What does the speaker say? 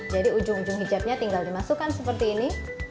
jadi ujung ujung hijabnya tinggal dimasukkan seperti ini